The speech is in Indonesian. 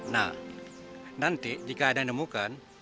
nah nanti jika ada yang ditemukan